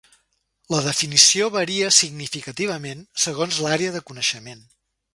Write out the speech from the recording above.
La definició varia significativament segons l'àrea de coneixement.